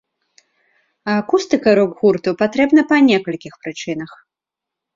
Акустыка рок-гурту патрэбна па некалькіх прычынах.